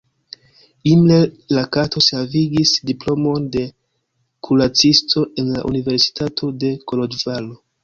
Imre Lakatos havigis diplomon de kuracisto en la Universitato de Koloĵvaro.